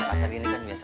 asal ini kan biasa